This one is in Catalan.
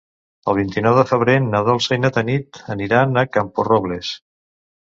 El vint-i-nou de febrer na Dolça i na Tanit aniran a Camporrobles.